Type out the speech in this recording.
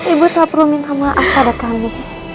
ibu tak perlu minta maaf pada kami